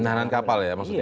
penahanan kapal ya maksudnya